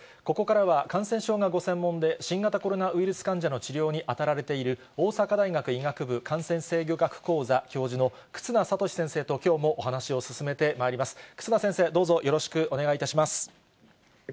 ここからは、感染症がご専門で、新型コロナウイルス患者の治療に当たられている、大阪大学医学部感染制御学講座教授の忽那賢志先生と、きょうもお話を進めてまいります。